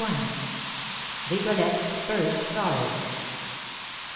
RIGOLETTE'S FIRST SORROW.